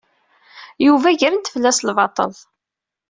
Yuba gren-d fell-as lbaṭel.